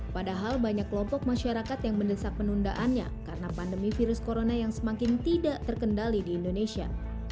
padahal banyak kelompok masyarakat yang mendesak penundaannya karena pandemi virus corona yang semakin tidak terkendali di indonesia